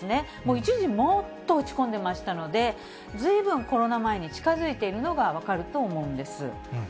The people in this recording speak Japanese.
一時もっと落ち込んでましたので、ずいぶんコロナ前に近づいているのが分かると思うんです。